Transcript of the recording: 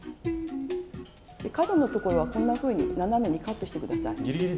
角のところはこんなふうに斜めにカットして下さい。